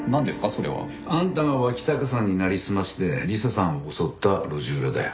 それは。あんたが脇坂さんになりすまして理彩さんを襲った路地裏だよ。